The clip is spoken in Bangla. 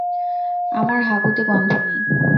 আমার হাগুতে গন্ধ নেই।